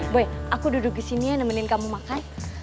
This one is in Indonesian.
boy aku duduk disini ya nemenin kamu makan